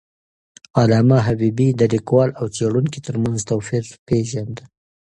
علامه حبيبي د لیکوال او څیړونکي تر منځ توپیر پېژنده.